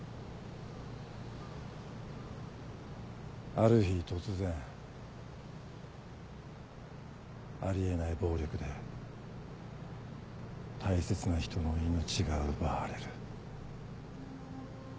ある日突然あり得ない暴力で大切な人の命が奪われる。